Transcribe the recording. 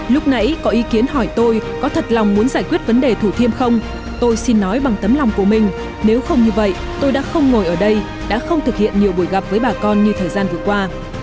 lúc nãy có ý kiến hỏi tôi có thật lòng muốn giải quyết vấn đề thủ thiêm không tôi xin nói bằng tấm lòng của mình nếu không như vậy tôi đã không ngồi ở đây đã không thực hiện nhiều buổi gặp với bà con như thời gian vừa qua